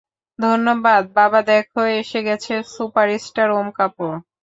ধন্যবাদ, বাবা, দেখ, এসেগেছে সুপারস্টার ওম কাপুর।